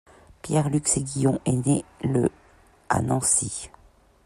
Pierre-Luc Séguillon est né le à Nancy.